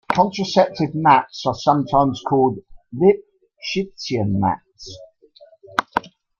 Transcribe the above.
Contractive maps are sometimes called Lipschitzian maps.